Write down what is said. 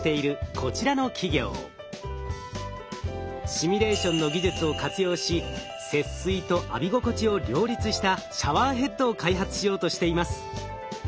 シミュレーションの技術を活用し節水と浴び心地を両立したシャワーヘッドを開発しようとしています。